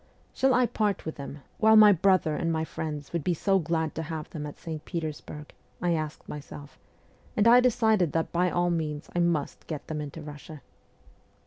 ' Shall I part with them, while my brother and my friends would be so glad to have them at St. Peters burg ?' I asked myself ; and I decided that by all means I must get them into Russia.